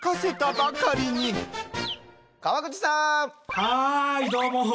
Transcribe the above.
はいどうも。